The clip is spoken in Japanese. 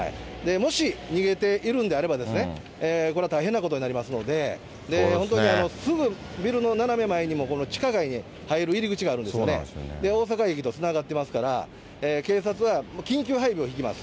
もし逃げているんであれば、これは大変なことになりますので、本当にすぐビルの斜め前にも、地下街に入る入り口があるんですよね、大阪駅とつながってますから、警察は緊急配備を敷きます。